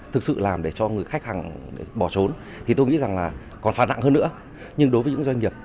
từ một mươi hai đến một mươi tám tháng